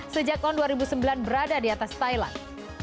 sejak tahun dua ribu sembilan berada di atas thailand